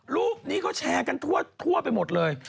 รูปนี้เขาแชร์กันทั่วไปหมดเลย